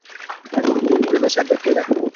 একদম কুড়মুড়ে হয়েছে, একবার খেয়ে দেখেন।